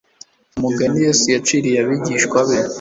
Umugani Yesu yaciriye abagishwa be